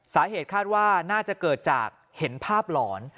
สาเหตุคาดว่าน่าจะเกิดจากเห็นภาพหลอน